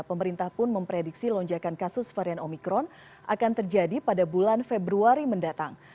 pemerintah pun memprediksi lonjakan kasus varian omikron akan terjadi pada bulan februari mendatang